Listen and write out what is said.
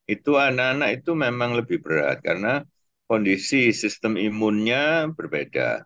itu anak anak itu memang lebih berat karena kondisi sistem imunnya berbeda